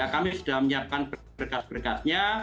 kami sudah menyiapkan berkas berkasnya